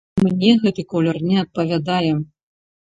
Мне гэты колер не адпавядае.